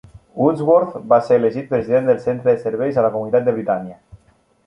Woodsworth va ser elegit president del centre de serveis a la comunitat de Britannia.